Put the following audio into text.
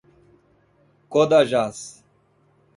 Codajás